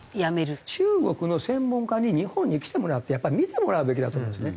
中国の専門家に日本に来てもらってやっぱり見てもらうべきだと思うんですね。